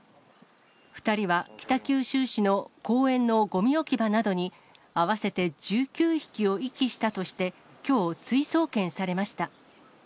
２人は北九州市の公園のごみ置き場などに、合わせて１９匹を遺棄したとして、きょう、追送検されました。